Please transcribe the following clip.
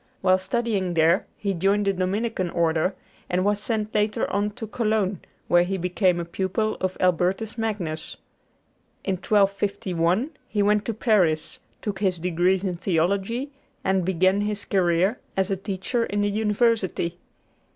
While studying there he joined the Dominican Order, and was sent later on to Cologne, where he became a pupil of Albertus Magnus. In 1251 he went to Paris, took his degrees in theology, and began his career as a teacher in the University.